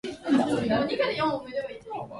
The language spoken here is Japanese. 今日の調子はどう？